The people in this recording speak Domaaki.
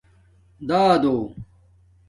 دادݸ